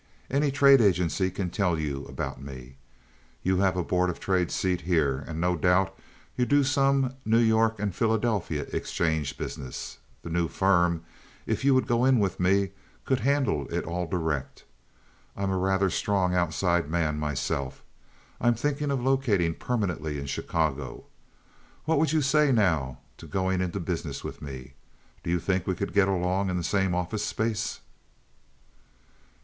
Any trade agency can tell you about me. You have a Board of Trade seat here, and no doubt you do some New York and Philadelphia exchange business. The new firm, if you would go in with me, could handle it all direct. I'm a rather strong outside man myself. I'm thinking of locating permanently in Chicago. What would you say now to going into business with me? Do you think we could get along in the same office space?"